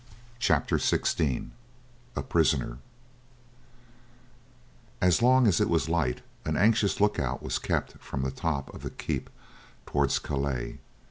CHAPTER XVI: A PRISONER As long as it was light an anxious look out was kept from the top of the keep towards Calais.